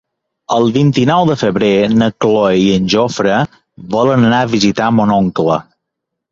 El vint-i-nou de febrer na Cloè i en Jofre volen anar a visitar mon oncle.